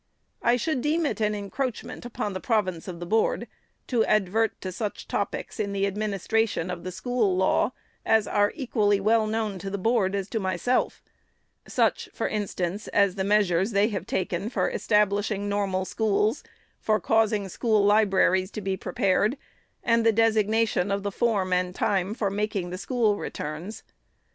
I should deem it an encroachment upon the province of the Board to advert to such topics in the administration of the school law, as are equally as well known to the Board as to myself; — such, for instance, as the measures they have taken for establishing Normal Schools, for caus ing school libraries to be prepared, and the designation of the form and time for making the School Returns.